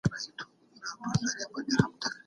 فارابي د ارماني ښار په لټه کي و.